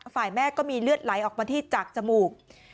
ฝ่ายแม่ก็มีเลือดไหลออกมาที่จากจมูก